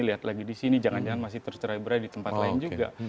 lihat lagi di sini jangan jangan masih tercerai berai di tempat lain juga